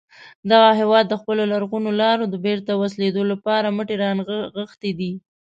دغه هیواد د خپلو لرغونو لارو د بېرته وصلېدو لپاره مټې را نغښتې دي.